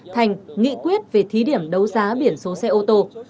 thành nghị quyết về thí điểm đấu giá biển số xe ô tô